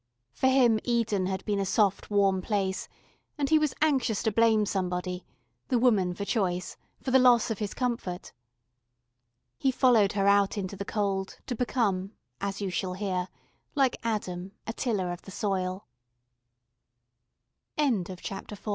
For him Eden had been a soft warm place, and he was anxious to blame somebody the woman for choice for the loss of his comfort. He followed her out into the cold, to become, as you shall hear, like Adam, a tiller of the soil. CHAPTER V AN AIR RAID SEEN FRO